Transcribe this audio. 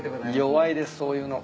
弱いですそういうの。